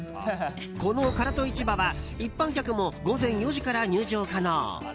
この唐戸市場は一般客も午前４時から入場可能。